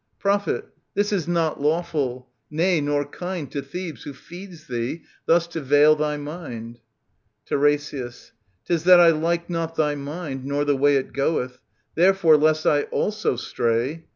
Prophet, this is not lawful ; nay, nor kind To Thebes, who feeds thee, thus to veil thy mind. TiRESIAS. 'Tis that I like not thy mind, nor the way It goeth. Therefore, lest I also stray